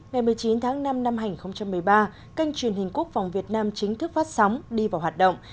ngày một mươi chín tháng năm năm hai nghìn một mươi ba kênh truyền hình quốc phòng việt nam chính thức phát sóng đi vào hoạt động